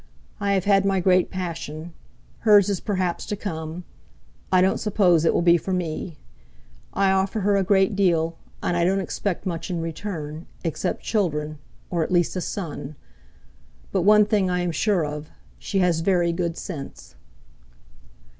I have had my great passion; hers is perhaps to come—I don't suppose it will be for me. I offer her a great deal, and I don't expect much in return, except children, or at least a son. But one thing I am sure of—she has very good sense!"